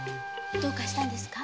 どうかしたんですか？